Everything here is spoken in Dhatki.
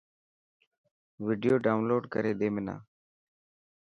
وڊيو ڊائونلوڊ ڪري ڏي منا.